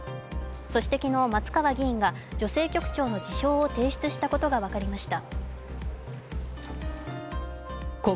そして昨日、松川議員が女性局長の辞表を提出したことが分かりました。